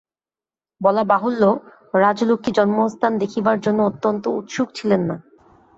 বলা বাহুল্য, রাজলক্ষ্মী জন্মস্থান দেখিবার জন্য অত্যন্ত উৎসুক ছিলেন না।